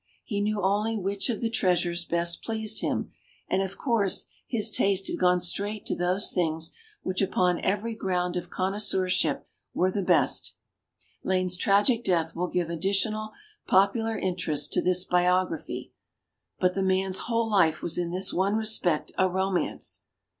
He knew only which of the treasures best pleased him, and of course his taste had gone straight to those things which upon every ground of connoisseurship were the best. Lane's tragic death will give addi tional popular interest to this biog raphy, but the man's whole life was in this one respect a romance.